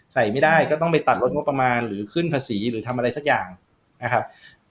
ใส่ไม่ได้ก็ต้องไปตัดลดงบประมาณหรือขึ้นภาษีหรือทำอะไรสักอย่างนะครับ